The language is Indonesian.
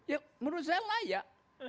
ya menurut saya layak